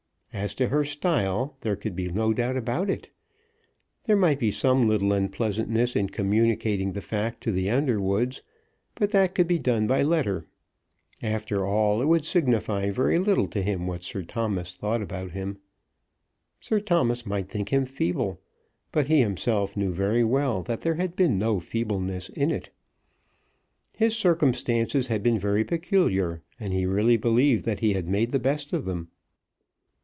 As to her style, there could be no doubt about it. There might be some little unpleasantness in communicating the fact to the Underwoods, but that could be done by letter. After all, it would signify very little to him what Sir Thomas thought about him. Sir Thomas might think him feeble; but he himself knew very well that there had been no feebleness in it. His circumstances had been very peculiar, and he really believed that he had made the best of them.